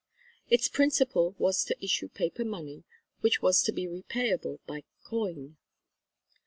Its principle was to issue paper money which was to be repayable by coin.